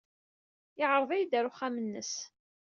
Yeɛreḍ-iyi-d ɣer uxxam-nnes.